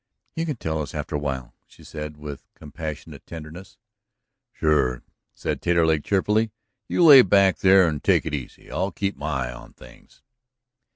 "You can tell us after a while," she said, with compassionate tenderness. "Sure," said Taterleg, cheerfully, "you lay back there and take it easy. I'll keep my eye on things."